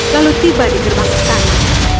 lalu tiba di gerbang istana